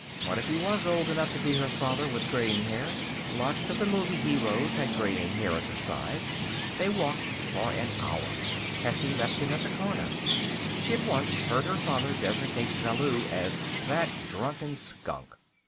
What if he was old enough to be her father, with graying hair? Lots of the movie heroes had graying hair at the sides. They walked for an hour. Tessie left him at the corner. She had once heard her father designate Ballou as "that drunken skunk."